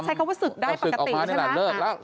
ใช้คำว่าศึกได้ปกติใช่ไหม